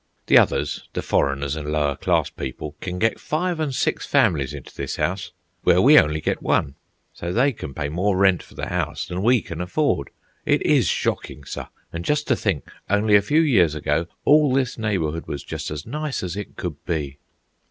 The others, the foreigners and lower class people, can get five and six families into this house, where we only get one. So they can pay more rent for the house than we can afford. It is shocking, sir; and just to think, only a few years ago all this neighbourhood was just as nice as it could be."